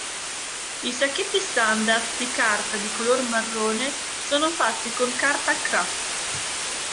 I sacchetti standard di carta di color marrone sono fatti con carta kraft.